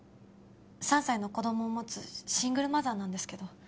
３歳の子供を持つシングルマザーなんですけど。